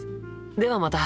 ではまた。